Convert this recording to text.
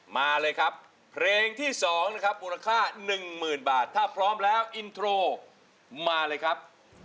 มาเลยครับเพลงที่๒นะครับมูลค่า๑๐๐๐บาทถ้าพร้อมแล้วอินโทรมาเลยครับ